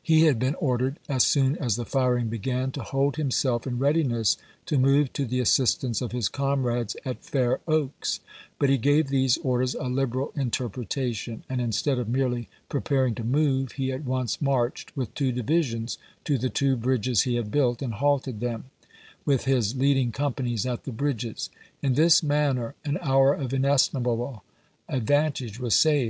He had been chap, xxl ordered, as soon as the firing began, to hold him self in readiness to move to the assistance of his comi ades at Fair Oaks ; but he gave these orders a liberal interpretation, and instead of merely pre paring to move he at once marched with two divi sions to the two bridges he had built and halted them, with his leading companies at the bridges. In this manner an hour of inestimable advantage was saved.